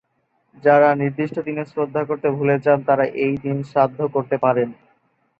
যাঁরা নির্দিষ্ট দিনে শ্রাদ্ধ করতে ভুলে যান, তারা এই দিন শ্রাদ্ধ করতে পারেন।